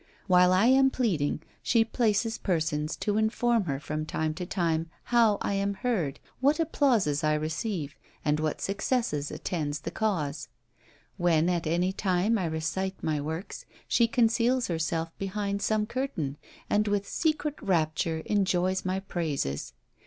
While I am pleading, she places persons to inform her from time to time how I am heard, what applauses I receive, and what success attends the cause. When at any time I recite my works, she conceals herself behind some curtain, and with secret rapture enjoys my praises.